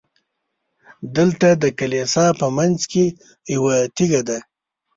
دلته د کلیسا په منځ کې یوه تیږه ده.